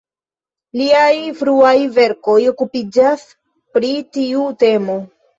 Liaj fruaj verkoj okupiĝas pri tiu temo.